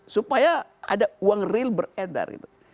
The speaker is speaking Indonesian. supaya ada uang real beredar gitu